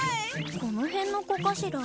この辺の子かしら？